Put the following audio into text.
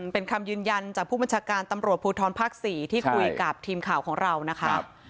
เป็นคำยืนยันจากผู้บัญชาการตำรวจภูทรภาค๔ที่คุยกับทีมข่าวของเรานะคะ